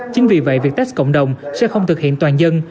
chính vì vậy việc test cộng đồng sẽ không thực hiện toàn dân